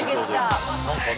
何かね